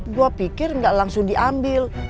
gue pikir nggak langsung diambil